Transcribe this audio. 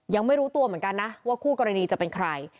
ยังไม่รู้ตัวเหมือนกันนะว่าคู่กรณีจะเป็นใคร